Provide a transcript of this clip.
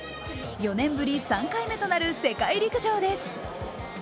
４年ぶり３回目となる世界陸上です。